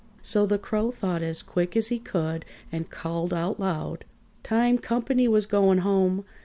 So the Crow thought as quick as he could and called out loud: "Time comp'ny was going home!